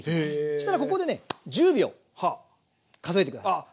そしたらここでね１０秒数えて下さい。